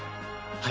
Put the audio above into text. はい。